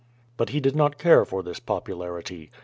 But he did not care for this popularity.